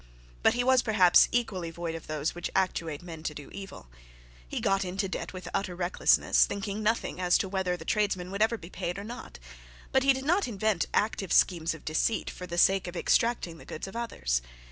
But he was perhaps equally void of those which actuate men to do evil. He got into debt with utter recklessness, thinking of nothing as to whether the tradesmen would ever be paid or not. But he did not invent active schemes of deceit for the sake of extracting the goods of others.